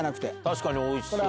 確かにおいしそう。